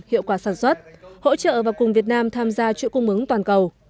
hiệu quả sản xuất hỗ trợ và cùng việt nam tham gia chuỗi cung ứng toàn cầu